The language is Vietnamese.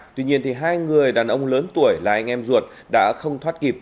tuy nhiên hai người đàn ông lớn tuổi là anh em ruột đã không thoát kịp